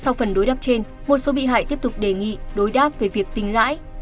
sau phần đối đáp trên một số bị hại tiếp tục đề nghị đối đáp về việc tính lãi